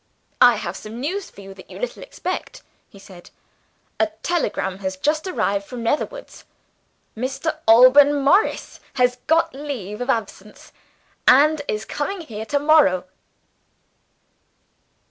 "I have some news for you that you little expect," he said. "A telegram has just arrived from Netherwoods. Mr. Alban Morris has got leave of absence, and is coming here to morrow."